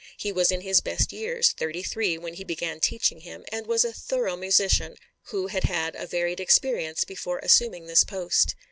He was in his best years, thirty three, when he began teaching him, and was a thorough musician, who had had a varied experience before assuming this post.